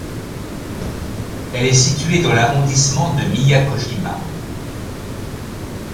Elle est située dans l'arrondissement de Miyakojima.